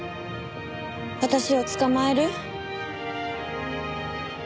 私を捕まえる？